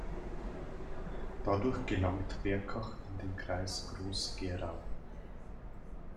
Dadurch gelangt Berkach in den Kreis Groß-Gerau.